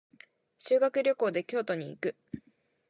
修学旅行で京都に行く。